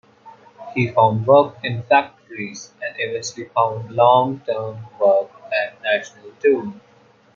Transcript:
He found work in factories, and eventually found long-term work at National Tool.